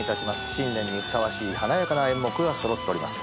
新年にふさわしい華やかな演目が揃っております。